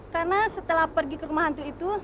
karena setelah pergi ke rumah hantu itu